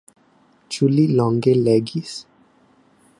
Ĉu li longe legis?